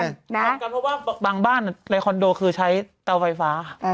พร้อมกันเพราะว่าบางบ้านในคอนโดคือใช้เตาไฟฟ้า